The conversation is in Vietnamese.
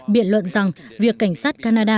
biện luận rằng việc cảnh sát canada